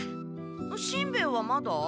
しんべヱはまだ？